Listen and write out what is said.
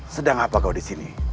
sedang apa kau di sini